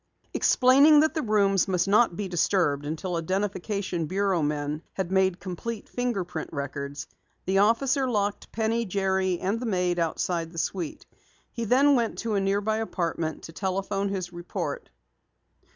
Explaining that the rooms must not be disturbed until Identification Bureau men had made complete fingerprint records, the officer locked Penny, Jerry and the maid outside the suite. He then went to a nearby apartment to telephone his report.